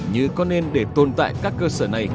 như có nên để tồn tại các cơ sở này